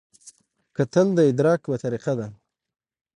کتل د ادراک یوه طریقه ده